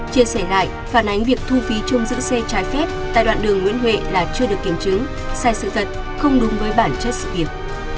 chia sẻ lại phản ánh việc thu phí chung giữ xe trái phép tại đoạn đường nguyễn huệ là chưa được kiểm chứng sai sự thật không đúng với bản chất sự việc